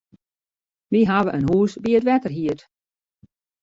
Wy hawwe in hûs by it wetter hierd.